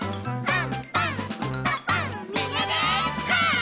パン！